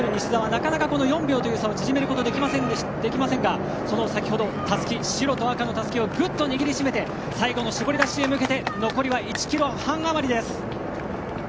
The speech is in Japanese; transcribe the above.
なかなか４秒という差を縮めることができませんが先ほど白と赤のたすきをグッと握り締めて最後の絞り出しに向けて最後は１ｋｍ半です。